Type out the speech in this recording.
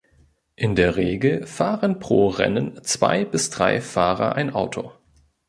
In der Regel fahren pro Rennen zwei bis drei Fahrer ein Auto.